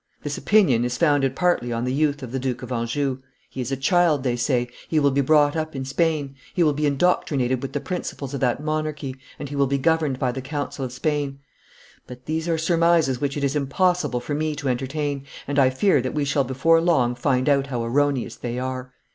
This opinion is founded partly on the youth of the Duke of Anjou. 'He is a child,' they say; 'he will be brought up in Spain; he will be indoctrinated with the principles of that monarchy, and hee will be governed by the council of Spain;' but these are surmises which it is impossible for me to entertain, and I fear that we shall before long find out how erroneous they are.